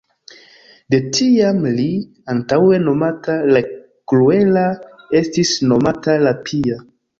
De tiam li, antaŭe nomata "la kruela", estis nomata "la pia".